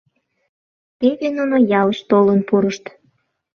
Теве нуно ялыш толын пурышт.